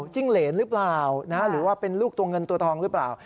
จิ้งเหรนหรือเปล่าหรือว่าเป็นลูกตัวเงินตัวทองหรือเปล่า